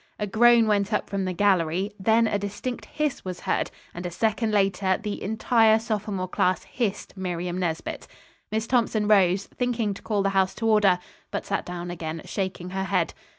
A groan went up from the gallery. Then a distinct hiss was heard, and a second later the entire sophomore class hissed Miriam Nesbit. Miss Thompson rose, thinking to call the house to order, but sat down again, shaking her head.